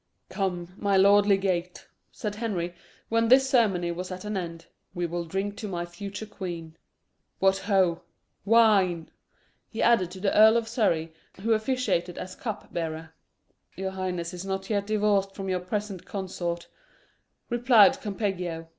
"Come, my lord legate," said Henry, when this ceremony was at an end, "we will drink to my future queen. What ho! wine!" he added to the Earl of Surrey, who officiated as cup bearer. "Your highness is not yet divorced from your present consort," replied Campeggio.